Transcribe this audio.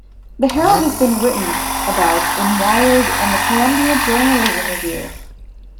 The Herald has been written about in Wired and the Columbia Journalism Review.